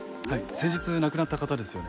先日亡くなった方ですよね。